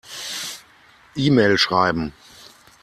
E-Mail schreiben.